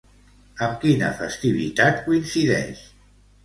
Amb quina festivitat coincideix?